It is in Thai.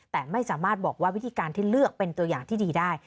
แต่ไม่สามารถบอกว่าวิธีการที่เลือกเป็นตัวอย่างที่ดีได้